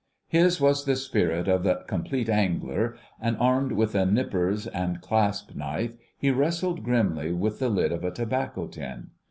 His was the spirit of the "Compleat Angler," and armed with a nippers and clasp knife he wrestled grimly with the lid of a tobacco tin.